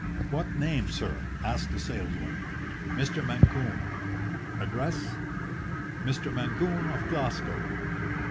"What name, sir?" asked the salesman. "Mr. Mancune." "Address?" "Mr. Mancune of Glasgow."